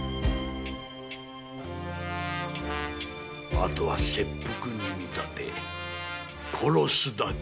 あとは切腹に見立て殺すだけ。